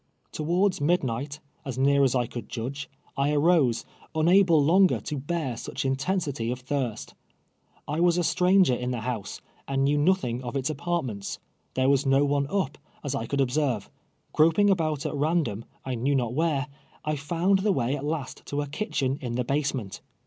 Towards midnight, as near as I could judge, I arose, niud)Ie longer to bear such intensity of thii st. I was a stranger in the liouse, and knew nr)thing of its apartments. There was no one up, as I could observe. Ciroping about at random, I knew not where, I found the way at last to a kitchen in the basement.